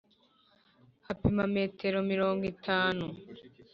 Hapima metero mirongo itanu .